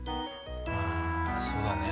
ああそうだね。